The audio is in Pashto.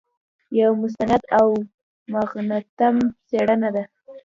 یو مستند او مغتنم څېړنه ده.